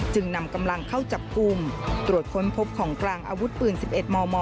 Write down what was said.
จึงนำกำลังเข้าจับกลุ่มตรวจค้นพบของกลางอาวุธปืน๑๑มม